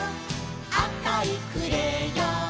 「あかいクレヨン」